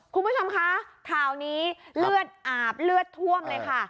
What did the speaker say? คุณผู้ชมคะข่าวนี้เลือดอาบเลือดท่วมเลยค่ะ